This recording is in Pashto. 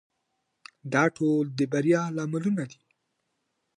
دا ټول د بریا لاملونه دي.